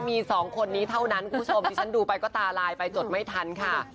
มีสองคนนี้เท่านั้นคุณผู้ชมที่ฉันดูไปก็ตาลายไปจดไม่ทันค่ะ